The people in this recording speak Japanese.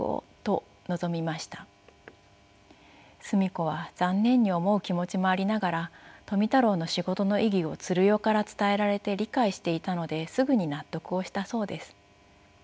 澄子は残念に思う気持ちもありながら富太郎の仕事の意義を鶴代から伝えられて理解していたのですぐに納得をしたそうです。